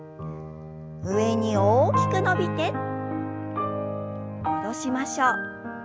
上に大きく伸びて戻しましょう。